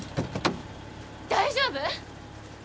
大丈夫！？